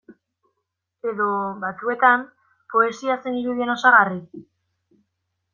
Edo, batzuetan, poesia zen irudien osagarri?